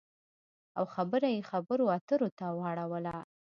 او خبره یې خبرو اترو ته واړوله